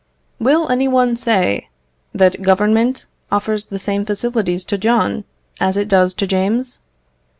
Will any one say, that Government offers the same facilities to John as it does to James?